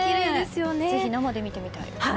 ぜひ生で見てみたいです。